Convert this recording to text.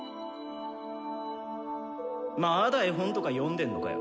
まだ絵本とか読んでんのかよ。